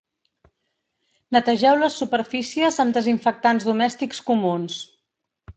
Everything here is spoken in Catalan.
Netegeu les superfícies amb desinfectants domèstics comuns.